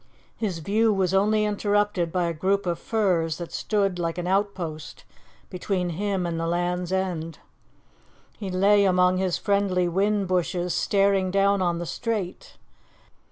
His view was only interrupted by a group of firs that stood like an outpost between him and the land's end. He lay among his friendly whin bushes, staring down on the strait.